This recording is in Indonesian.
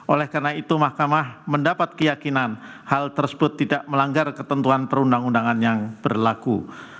oleh karena itu mahkamah mendapat keyakinan hal tersebut tidak melanggar ketentuan perundang undangan yang berlaku